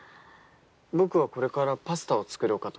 僕はこれからパスタを作ろうかと。